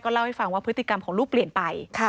เล่าให้ฟังว่าพฤติกรรมของลูกเปลี่ยนไป